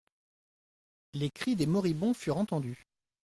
Les cris des moribonds furent entendus.